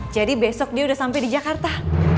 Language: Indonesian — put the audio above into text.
jadi besok dia udah sampai di jakarta